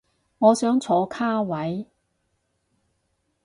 我想坐卡位